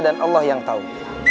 dan allah yang tahu